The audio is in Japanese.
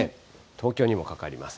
東京にもかかります。